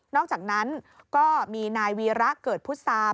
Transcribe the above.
นอกจากนั้นก็มีนายวีระเกิดพุทธศาสตร์